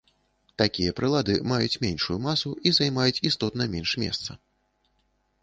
Такія прылады маюць меншую масу і займаюць істотна менш месца.